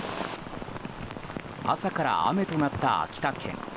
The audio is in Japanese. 朝から雨となった秋田県。